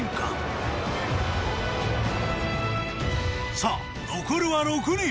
さあ残るは６人！